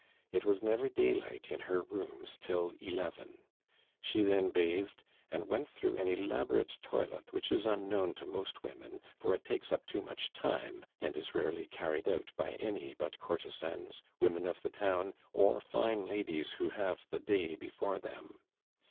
It was never daylight in her rooms till eleven. She then bathed and went through an elaborate toilet which is unknown to most women, for it takes up too much time, and is rarely carried out by any but courtesans, women of the town, or fine ladies who have the day before them.